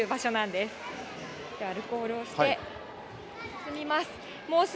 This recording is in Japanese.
では、アルコールをして進みます。